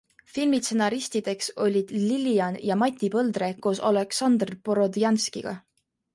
Filmi stsenaristideks olid Lilian ja Mati Põldre koos Aleksandr Borodjanskiga.